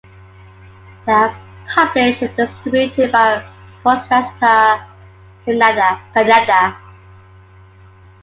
They are published and distributed by Prosveta-Canada.